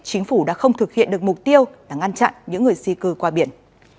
chính phủ đã không thực hiện được mục tiêu là ngăn chặn những người di cư qua biển